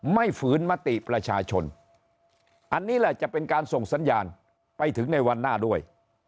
ฝืนมติประชาชนอันนี้แหละจะเป็นการส่งสัญญาณไปถึงในวันหน้าด้วย